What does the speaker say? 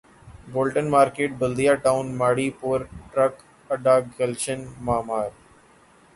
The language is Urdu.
Bolton market Baldia town Mauripur truck اڈہ گلشن معمار